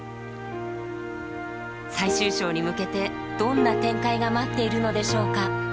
最終章に向けてどんな展開が待っているのでしょうか？